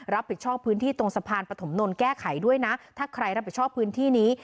รับผิดชอบพื้นที่ตรงสะพานปฐมนนท์แก้ไขด้วยนะถ้าใครรับผิดชอบพื้นที่นี้